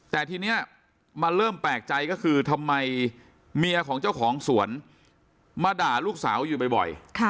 แต่ทีนี้มันเริ่มแปลกใจก็คือทำไมเมียของเจ้าของสวนมาด่าลูกสาวอยู่บ่อย